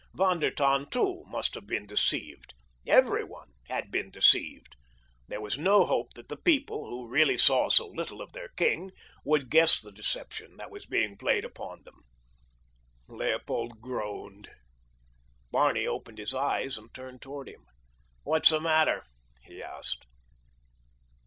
Von der Tann, too, must have been deceived. Everyone had been deceived. There was no hope that the people, who really saw so little of their king, would guess the deception that was being played upon them. Leopold groaned. Barney opened his eyes and turned toward him. "What's the matter?" he asked.